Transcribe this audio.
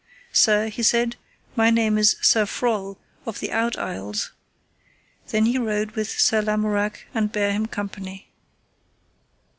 Sir, he said, my name is Sir Frol of the Out Isles. Then he rode with Sir Lamorak and bare him company.